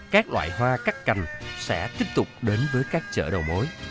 các loại hoa cắt cành sẽ tiếp tục đến với các chợ đầu mối